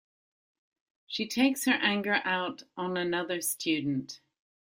She takes her anger out on another student.